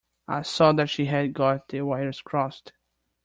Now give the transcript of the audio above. I saw that she had got the wires crossed.